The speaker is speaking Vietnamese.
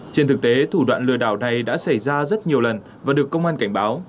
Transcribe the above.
trên thực tế thủ đoạn lừa đảo này đã xảy ra rất nhiều lần và được công an cảnh báo